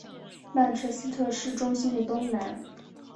曼彻斯特市中心的东南。